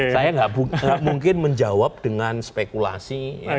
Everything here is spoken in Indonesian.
saya nggak mungkin menjawab dengan spekulasi